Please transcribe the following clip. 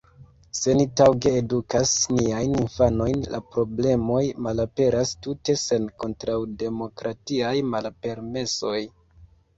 Se ni taŭge edukas niajn infanojn, la problemoj malaperas tute sen kontraŭdemokratiaj malpermesoj.